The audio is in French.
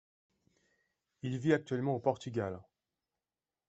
Il vit actuellement au Portugal.